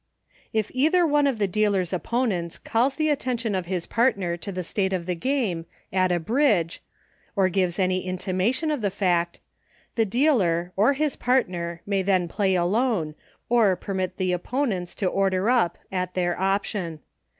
If either one of the dealer's opponents calls the attention of his partner to the state of the 58 EUCHRE. game, at a Bridge — or gives any intimation of the fact — the dealer, or his partner, may then Play Alone, or permit the opponents to order up, at their option.